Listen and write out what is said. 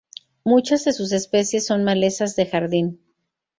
Muchas de sus especies son malezas de jardín.